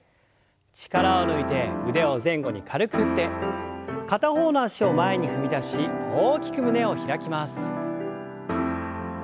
力を抜いて腕を前後に軽く振って片方の脚を前に踏み出し大きく胸を開きます。